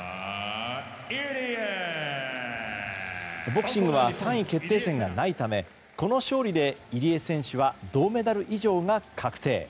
ボクシングは３位決定戦がないためこの勝利で入江選手は銅メダル以上が確定。